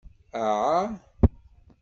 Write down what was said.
Aɛa?